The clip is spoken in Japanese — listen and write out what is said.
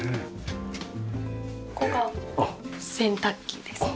ここが洗濯機ですね。